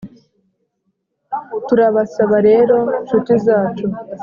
turabasaba rero nshuti zacu,